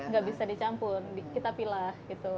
nggak bisa dicampur kita pilah gitu